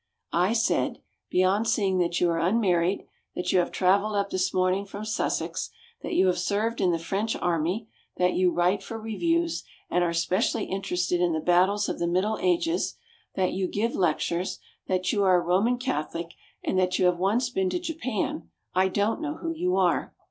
I said, "Beyond seeing that you are unmarried, that you have travelled up this morning from Sussex, that you have served in the French Army, that you write for reviews, and are especially interested in the battles of the Middle Ages, that you give lectures, that you are a Roman Catholic, and that you have once been to Japan, I don't know who you are."